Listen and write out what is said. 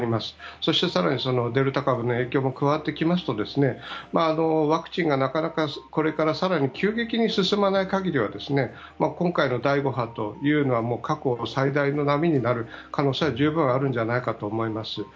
そして更にデルタ株の影響も加わってきますとワクチンが、なかなかこれから更に急激に進まない限りは今回の第５波というのは過去最大の波になる可能性は十分にあるんじゃないかと思います。